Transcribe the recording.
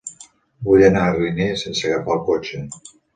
Vull anar a Riner sense agafar el cotxe.